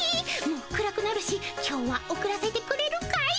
もう暗くなるし今日は送らせてくれるかい？